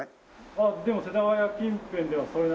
あっでも世田谷近辺ではそれなりに。